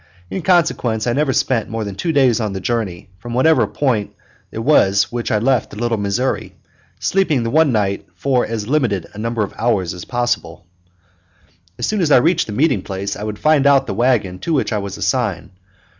In consequence I never spent more than two days on the journey from whatever the point was at which I left the Little Missouri, sleeping the one night for as limited a number of hours as possible. As soon as I reached the meeting place I would find out the wagon to which I was assigned.